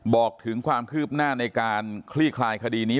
บอกถึงความคืบหน้าในการคลี่คลายคดีนี้